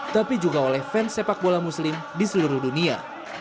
tapi juga oleh fans sepak bola muslim di seluruh dunia